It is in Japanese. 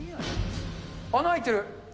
穴開いてる。